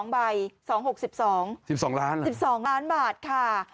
๒ใบ๒หก๑๒ล้านบาทค่ะ